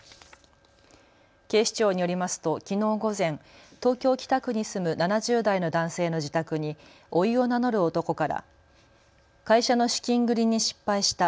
警視庁によりますときのう午前、東京北区に住む７０代の男性の自宅においを名乗る男から会社の資金繰りに失敗した。